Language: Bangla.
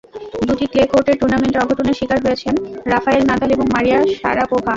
দুটি ক্লে কোর্টের টুর্নামেন্টে অঘটনের শিকার হয়েছেন রাফায়েল নাদাল এবং মারিয়া শারাপোভা।